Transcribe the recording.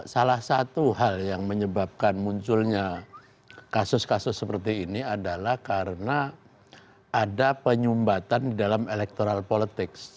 salah satu hal yang menyebabkan munculnya kasus kasus seperti ini adalah karena ada penyumbatan di dalam electoral politics